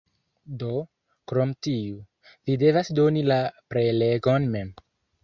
Do krom tiu, vi devas doni la prelegon mem.